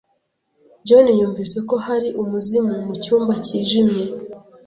John yumvise ko hari umuzimu mucyumba cyijimye.